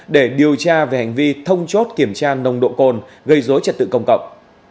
để điều tra về hành vi thông chốt kiểm tra nồng độ cồn gây dối trật tự công cộng